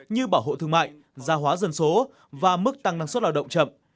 như bảo hộ thương mại gia hóa dân số và mức tăng năng suất lao động chậm